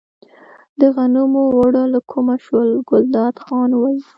د غنمو اوړه له کومه شول، ګلداد خان وویل.